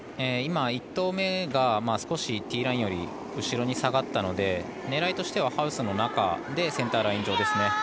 今、１投目が少しティーラインより後ろに下がったので狙いとしてはハウスの中でセンターライン上ですね。